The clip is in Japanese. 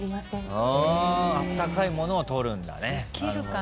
あったかいものを取るんだね。